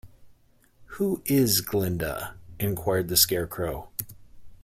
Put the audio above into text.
Who is Glinda? enquired the Scarecrow.